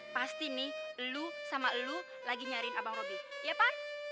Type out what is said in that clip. pasti nih lu sama lu lagi nyariin abang robby ya pak